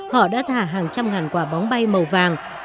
họ đã thả hàng trăm ngàn quả bóng bay màu vàng